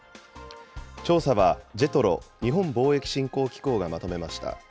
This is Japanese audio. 調査はＪＥＴＲＯ・日本貿易振興機構がまとめました。